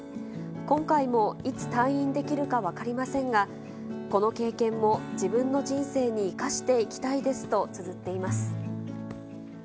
今回もいつ退院できるか分かりませんが、この経験も自分の人生に生かしていきたいですとつづっています。